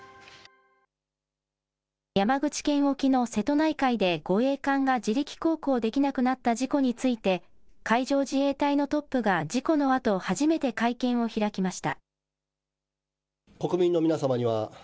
山口県沖の瀬戸内海で護衛艦が自力航行できなくなった事故について、海上自衛隊のトップが事故のあと初めて会見を開きました。